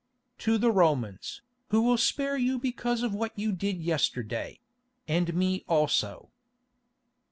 "To the Romans, who will spare you because of what you did yesterday—and me also."